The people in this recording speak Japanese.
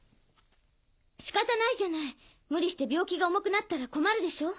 仕方ないじゃない無理して病気が重くなったら困るでしょ。